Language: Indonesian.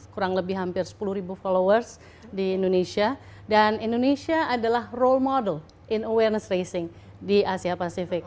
kurang lebih hampir sepuluh ribu followers di indonesia dan indonesia adalah role model in awareness racing di asia pasifik